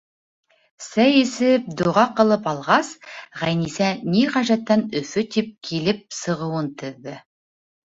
Сәй эсеп, доға ҡылып алғас, Ғәйнисә ни хәжәттән Өфө тип килеп сығыуын теҙҙе.